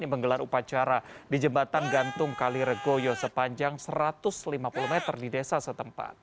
yang menggelar upacara di jembatan gantung kaliregoyo sepanjang satu ratus lima puluh meter di desa setempat